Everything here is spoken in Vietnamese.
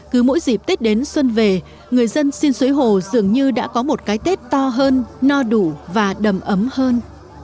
cứ mỗi dịp tết đến xuân về người dân xin suối hồ dường như đã có một cái tết to hơn no đủ và đầm ấm hơn